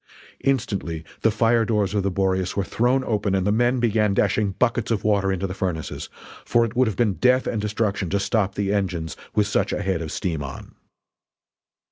Instantly the fire doors of the Boreas were thrown open and the men began dashing buckets of water into the furnaces for it would have been death and destruction to stop the engines with such a head of steam on.